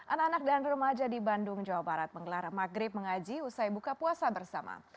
anak anak dan remaja di bandung jawa barat menggelar maghrib mengaji usai buka puasa bersama